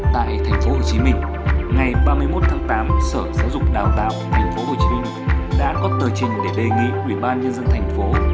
tại thành phố hồ chí minh ngày ba mươi một tháng tám sở giáo dục đào tạo thành phố hồ chí minh đã có tờ trình để đề nghị ubnd thành phố